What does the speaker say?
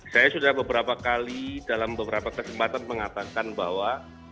saya sudah beberapa kali dalam beberapa kesempatan mengatakan bahwa